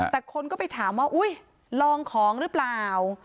แต่คนก็ไปถามว่าอุ๊ยลองของหรือเปล่า